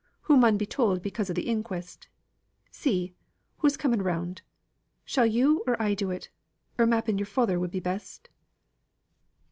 "Hoo mun be told because of th' Inquest. See! Hoo's coming round; shall you or I do it? or mappen your father would be best?"